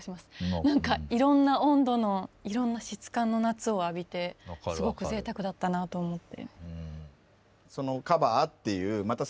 いろんな温度のいろんな質感の夏を浴びてすごく贅沢だったなと思って。